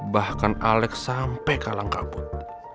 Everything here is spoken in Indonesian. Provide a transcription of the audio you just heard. bahkan alex sampai kalang kabut